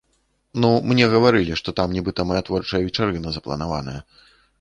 Ну, мне гаварылі, што там нібыта мая творчая вечарына запланаваная.